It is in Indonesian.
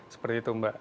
seperti itu mbak